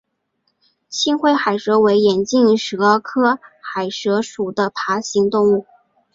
青灰海蛇为眼镜蛇科海蛇属的爬行动物。